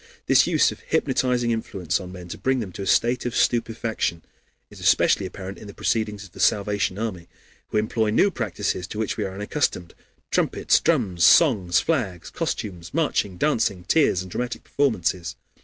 This use of hypnotizing influence on men to bring them to a state of stupefaction is especially apparent in the proceedings of the Salvation Army, who employ new practices to which we are unaccustomed: trumpets, drums, songs, flags, costumes, marching, dancing, tears, and dramatic performances.